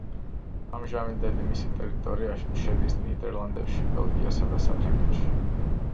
ამჟამად მისი ტერიტორია შედის ნიდერლანდებში, ბელგიასა და საფრანგეთში.